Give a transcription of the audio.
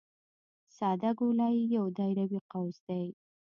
ساده ګولایي یو دایروي قوس دی